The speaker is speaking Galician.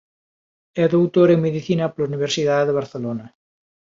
É doutor en medicina pola Universidade de Barcelona.